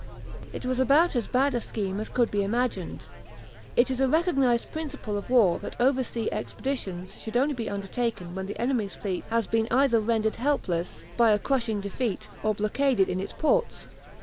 It was about as bad a scheme as could be imagined. It is a recognized principle of war that over sea expeditions should only be undertaken when the enemy's fleet has been either rendered helpless by a crushing defeat or blockaded in its ports.